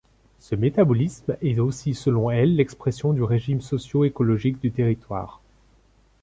Ce métabolisme est aussi selon elle l'expression du régime socio-écologique du territoire.